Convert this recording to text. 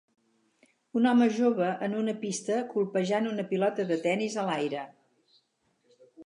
Un home jove en una pista colpejant una pilota de tenis a l'aire.